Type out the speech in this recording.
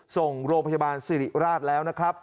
ส่งโรงพยาบาลสิริราชแล้วนะครับ